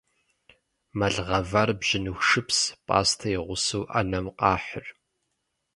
Мэл гъэвар бжьыныху шыпс, пӀастэ и гъусэу Ӏэнэм къахьыр.